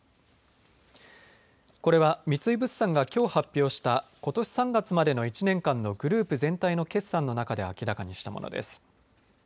これは三井物産がきょう発表したことし３月までの１年間のグループ全体の決算の中で明らかにしたものです。